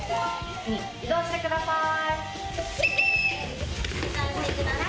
移動してください！